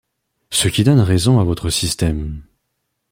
Ce qui donne raison à votre système.